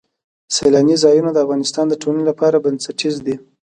سیلاني ځایونه د افغانستان د ټولنې لپاره بنسټیز دي.